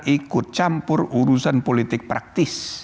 ikut campur urusan politik praktis